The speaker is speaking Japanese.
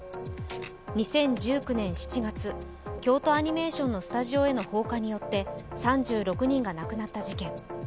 ２０１９年７月、京都アニメーションのスタジオへの放火によって３６人が亡くなった事件。